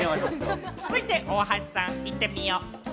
続いて大橋さん、行ってみよう。